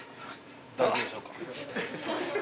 大丈夫でしょうか？